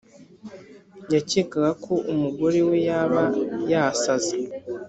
Yakekaga ko umugore we yaba yasaze.